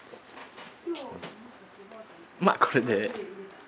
まあこれで。